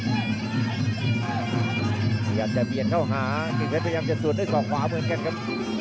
กันครับอยากจะเปลี่ยนเข้าหากิ้งเพชรพยายามจะสูดด้วยศอกขวาเหมือนกันครับ